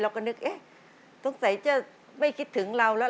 เราก็นึกต้องใส่จะไม่คิดถึงเราแล้ว